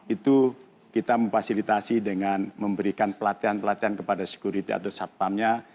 itu kita memfasilitasi dengan memberikan pelatihan pelatihan kepada security atau satpamnya